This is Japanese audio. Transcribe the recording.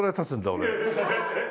俺。